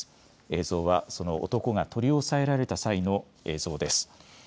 映像は、その男が取り押さえられた際の映像です。